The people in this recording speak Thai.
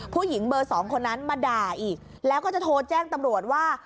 ผู้หญิงเบอร์๒คนนั้นมาด่าอีกแล้วก็จะโทรแจ้งตำรวจว่า